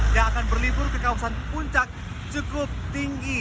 yang akan berlibur ke kawasan puncak cukup tinggi